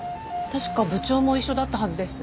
確か部長も一緒だったはずです。